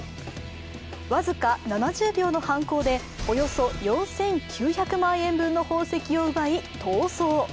僅か０秒の反抗でおよそ４９００万円分の宝石を奪い、逃走。